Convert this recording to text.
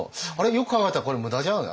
よく考えたらこれ無駄じゃない？